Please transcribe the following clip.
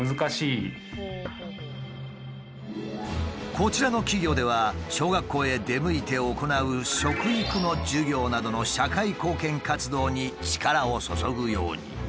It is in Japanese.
こちらの企業では小学校へ出向いて行う食育の授業などの社会貢献活動に力を注ぐように。